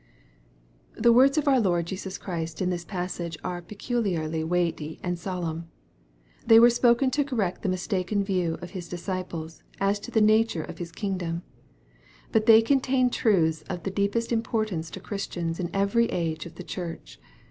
MARK, CHAP. VIII. 169 THE words of our Lord Jesus Christ in this passage are peculiarly weighty and solemn. They were spoken to correct the mistaken views of His disciples, as to the nature of His kingdom. But they contain truths of the deepest importance to Christians in every age of the Church.